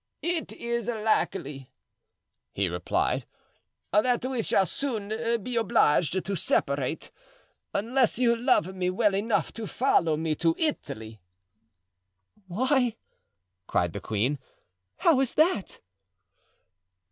"It is likely," he replied, "that we shall soon be obliged to separate, unless you love me well enough to follow me to Italy." "Why," cried the queen; "how is that?"